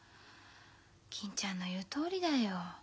銀ちゃんの言うとおりだよ。